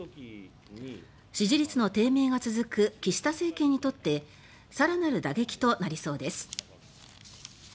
支持率の低迷が続く岸田政権にとって更なる打撃となりそうです。